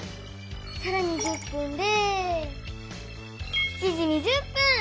さらに１０分で７時２０分！